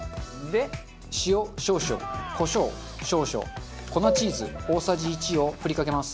で塩少々コショウ少々粉チーズ大さじ１を振りかけます。